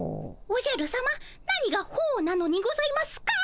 おじゃるさま何が「ほう」なのにございますか？